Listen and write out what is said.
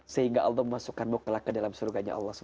sehingga allah memasukkanmu ke dalam surga allah swt